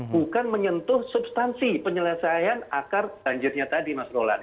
bukan menyentuh substansi penyelesaian akar banjirnya tadi mas rolan